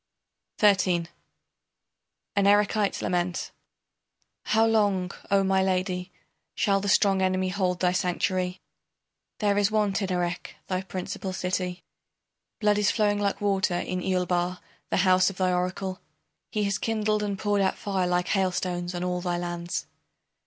XIII. AN ERECHITE'S LAMENT How long, O my Lady, shall the strong enemy hold thy sanctuary? There is want in Erech, thy principal city; Blood is flowing like water in Eulbar, the house of thy oracle; He has kindled and poured out fire like hailstones on all thy lands.